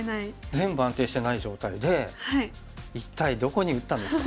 全部安定していない状態で一体どこに打ったんですか？